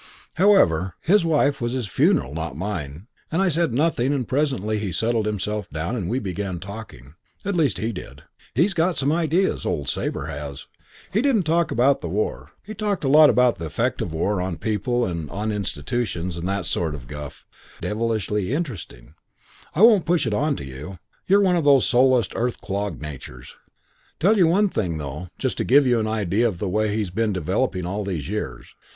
"However, his wife was his funeral, not mine, and I said nothing and presently he settled himself down and we began talking. At least he did. He's got some ideas, old Sabre has. He didn't talk about the war. He talked a lot about the effect of the war, on people and on institutions, and that sort of guff. Devilish deep, devilishly interesting. I won't push it on to you. You're one of those soulless, earth clogged natures. "Tell you one thing, though, just to give you an idea of the way he's been developing all these years.